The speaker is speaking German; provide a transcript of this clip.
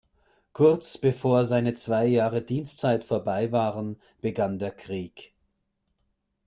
Kurz bevor seine zwei Jahre Dienstzeit vorbei waren, begann der Krieg.